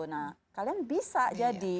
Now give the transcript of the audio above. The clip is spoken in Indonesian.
nah kalian bisa jadi